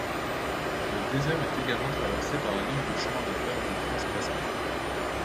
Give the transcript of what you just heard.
Le désert est également traversé par la ligne de chemin de fer du Transcaspien.